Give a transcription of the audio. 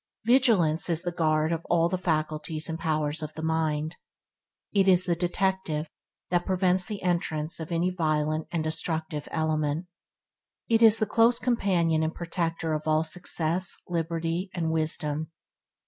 Vigilance is the guard of all the faculties and powers of the mind. It is the detective that prevents the entrance of any violent and destructive element. It is the close companion and protector of all success, liberty, and wisdom.